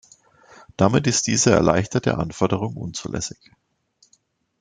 Damit ist diese erleichterte Anforderung unzulässig.